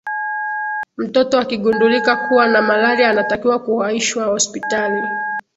mtoto akigundulika kuwa na malaria anatakiwa kuwahishwa hospitali